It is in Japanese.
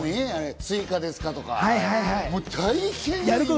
追加ですか？とか、大変、今。